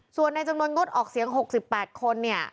ส่วนในจำนวนงดออกเสียง๖๘คนเนี่ย